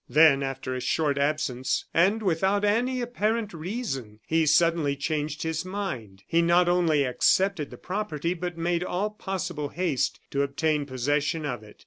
Then, after a short absence, and without any apparent reason, he suddenly changed his mind. He not only accepted the property, but made all possible haste to obtain possession of it.